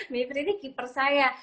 mitri ini keeper saya